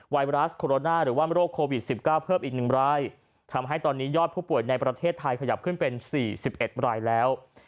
ไวรัสโคโรนาหรือว่าโรคโควิด๑๙เพิ่มอีก๑รายทำให้ตอนนี้ยอดผู้ป่วยในประเทศไทยขยับขึ้นเป็น๔๑รายแล้ว